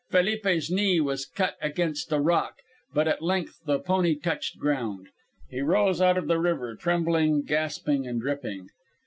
Felipe's knee was cut against a rock; but at length the pony touched ground. He rose out of the river trembling, gasping and dripping.